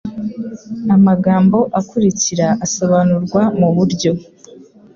amagambo akurikira asobanurwa mu buryo